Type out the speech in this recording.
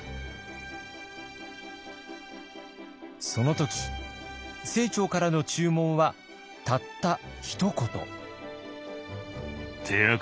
その時清張からの注文はたったひと言。